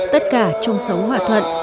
tất cả chung sống hòa thuận